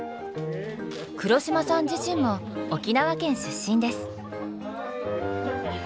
黒島さん自身も沖縄県出身です。